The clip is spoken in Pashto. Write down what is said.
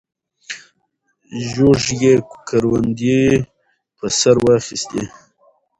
زوږ یې کروندې په سر واخیستې.